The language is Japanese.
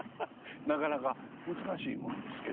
なかなか難しいもんですけれども。